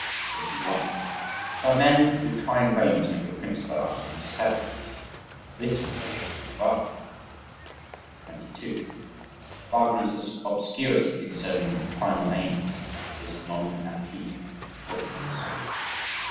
21. There are men who try in vain to make a principle out of themselves. This was the case with Wagner. 22. Wagner's obscurity concerning final aims; his non antique fogginess.